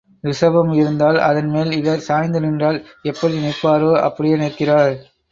ரிஷபம் இருந்தால் அதன் மேல் இவர் சாய்ந்து நின்றால் எப்படி நிற்பாரோ அப்படியே நிற்கிறார்.